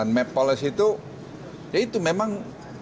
map policy itu ya itu memang